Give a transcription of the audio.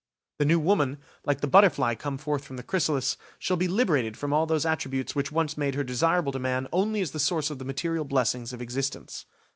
The new woman, like the butterfly come forth from the chrysalis, shall be liberated from all those attributes which once made her desirable to man only as the source of the material blessings of existence.